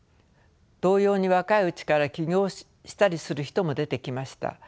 同様に若いうちから起業したりする人も出てきました。